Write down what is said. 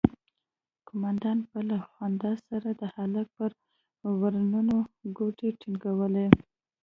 قومندان به له خندا سره د هلک پر ورنونو گوتې ټينگولې.